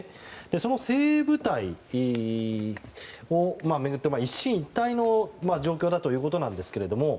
その精鋭部隊を巡って一進一退の状況だということなんですけれども。